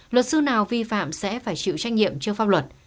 luật sư nào vi phạm sẽ phải chịu trách nhiệm trước pháp luật